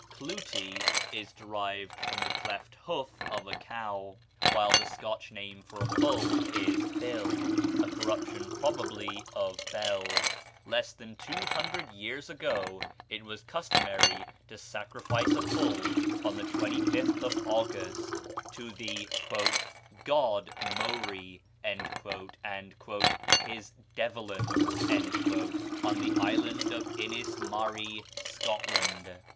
"Clootie" is derived from the cleft hoof of a cow; while the Scotch name for a bull is Bill, a corruption, probably, of Bel. Less than two hundred years ago it was customary to sacrifice a bull on the 25th of August to the "God Mowrie" and "his devilans" on the island of Inis Maree, Scotland.